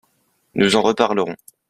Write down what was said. Nous en reparlerons.